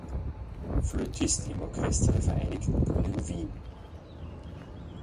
Flötist im Orchester der Vereinigten Bühnen Wien.